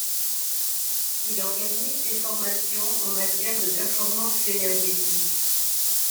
Il organise des formations en matière de performance énergétique.